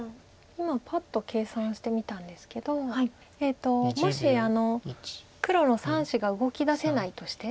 今パッと計算してみたんですけどえっともし黒の３子が動きだせないとして。